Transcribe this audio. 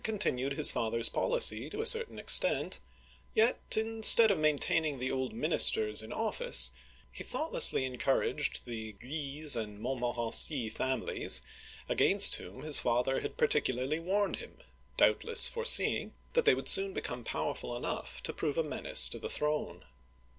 continued his father's policy to a certain extent ; yet, instead of main taining the old ministers in office, he thoughtlessly encour aged the Guise (gii eez') and Montmoren'cy families, against whom his father had particularly warned him, doubtless foreseeing that they would soon become powerful enough to prove a menace to the throne.